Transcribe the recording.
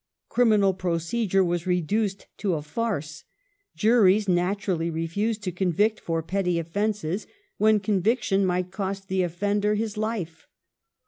Criminal procedure was reduced to a farce. Juries natumlly refused to convict for petty offences, when conviction might cost the off'ender his life.